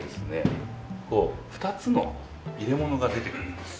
２つの入れ物が出てくるんです。